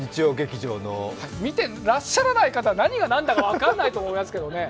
見てらっしゃらない方何が何だか分からないと思いますけどね